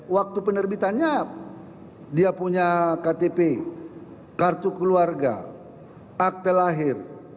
waktu penerbitannya dia punya ktp kartu keluarga akte lahir